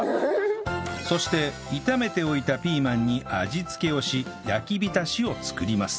そして炒めておいたピーマンに味付けをし焼きびたしを作ります